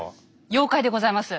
「妖怪」でございます。